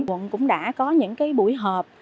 quận cũng đã có những buổi họp